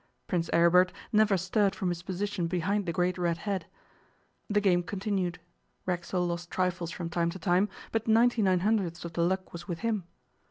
Prince Aribert never stirred from his position behind the great red hat. The game continued. Racksole lost trifles from time to time, but ninety nine hundredths of the luck was with him.